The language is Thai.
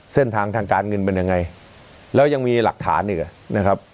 เส้นทางทางการเงินเป็นยังไงแล้วยังมีหลักฐานอีกอ่ะนะครับ